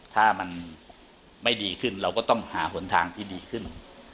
ถ้ามันไม่ดีขึ้นเราก็ต้องหาหนทางที่ดีขึ้น